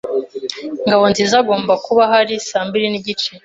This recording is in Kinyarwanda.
Ngabonziza agomba kuba ahari saa mbiri nigice.